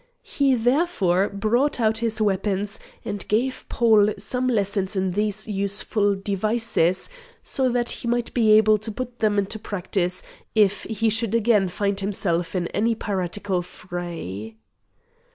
He therefore brought out his weapons and gave Paul some lessons in these useful devices, so that he might be able to put them into practice if he should again find himself in any piratical fray.